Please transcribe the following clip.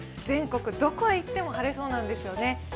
全国どこへ行っても晴れそうなんですよね。